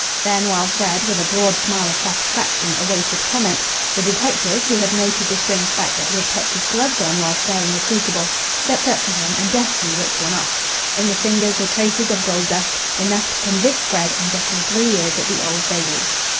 Then, while Fred, with a broad smile of satisfaction, awaited comment, the detective, who had noted the strange fact that he had kept his gloves on while stirring the crucible, stepped up to him and deftly whipped one off. In the fingers were traces of gold dust enough to convict Fred and get him three years at the Old Bailey.